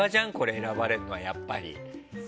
選ばれるのはやっぱり。